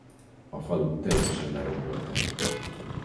A falut teljesen lerombolták.